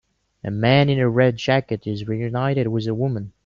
A man in a red jacket is reunited with a woman.